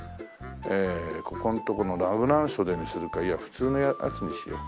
えここのところのラグラン袖にするかいや普通のやつにしよう。